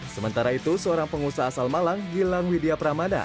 sementara itu seorang pengusaha asal malang gilang widya pramana